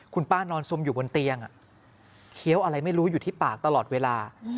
คุณป้านอนซุมอยู่บนเตียงเคี้ยวอะไรไม่รู้อยู่ที่ปากตลอดเวลา